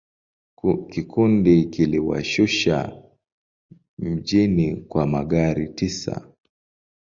Kikundi kiliwashusha mjini kwa magari tisa.